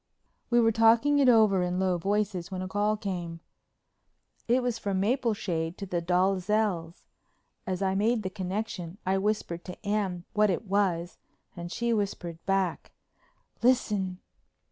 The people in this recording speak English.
We were talking it over in low voices when a call came. It was from Mapleshade to the Dalzells'. As I made the connection I whispered to Anne what it was and she whispered back, "Listen."